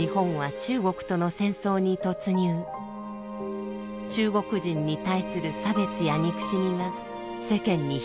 中国人に対する差別や憎しみが世間に広がっていきました。